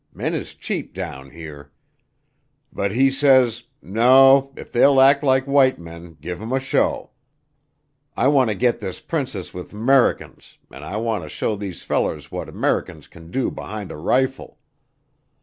Men is cheap down here. But he says, 'No; if they'll act like white men, give 'em a show. I want to git this princess with 'Mericans an' I want to show these fellers what 'Mericans can do behin' a rifle.'